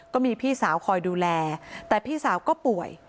ก็มีพี่สาวคอยดูแลแต่พี่สาวก็ป่วย